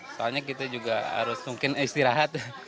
soalnya kita juga harus mungkin istirahat